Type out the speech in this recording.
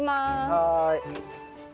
はい。